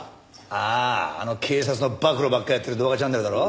あああの警察の暴露ばっかりやってる動画チャンネルだろ？